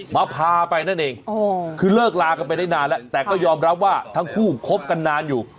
พาไปนั่นเองคือเลิกลากันไปได้นานแล้วแต่ก็ยอมรับว่าทั้งคู่คบกันนานอยู่